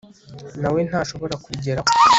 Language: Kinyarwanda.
na we ntashobora kubigeraho